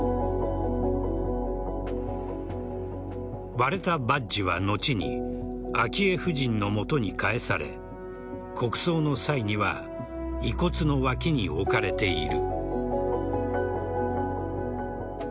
割れたバッジは後に昭恵夫人の元に返され国葬の際には遺骨の脇に置かれている。